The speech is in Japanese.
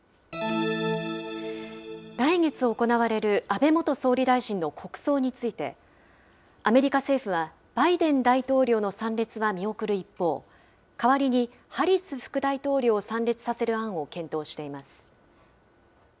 来月行われる安倍元総理大臣の国葬について、アメリカ政府は、バイデン大統領の参列は見送る一方、代わりにハリス副大統領を参列させる案を検討しています。